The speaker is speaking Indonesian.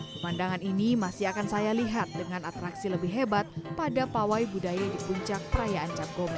pemandangan ini masih akan saya lihat dengan atraksi lebih hebat pada pawai budaya di puncak perayaan cap gome